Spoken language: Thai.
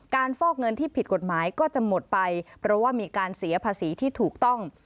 ฟอกเงินที่ผิดกฎหมายก็จะหมดไปเพราะว่ามีการเสียภาษีที่ถูกต้อง